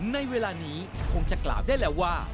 ในเวลานี้คงจะกล่าวได้แล้วว่า